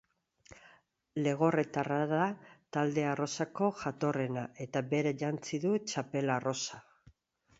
Legorretarra da talde arrosako jatorrena, eta berak jantzi du txapel arrosa.